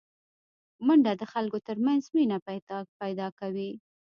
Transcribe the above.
منډه د خلکو ترمنځ مینه پیداکوي